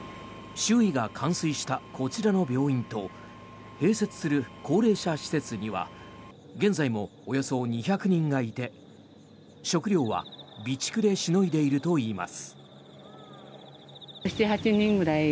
周囲が冠水したこちらの病院と併設する高齢者施設には現在もおよそ２００人がいて食料は備蓄でしのいでいるといいます。